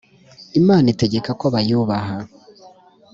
imana itegeka ko bayubaha